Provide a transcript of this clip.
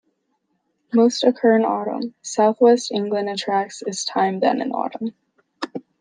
Most occur in autumn; southwest England attracts is time than in autumn.